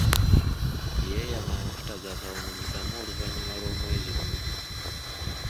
Yeeyama amafuta ga kawumbi kamu oluvannyuma lw’omwezi gumu.